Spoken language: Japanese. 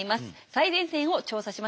最前線を調査しました。